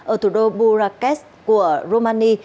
ở thủ đô burrakes của romania